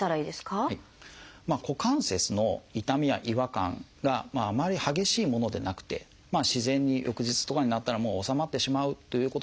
股関節の痛みや違和感があまり激しいものでなくて自然に翌日とかになったら治まってしまうということであってもですね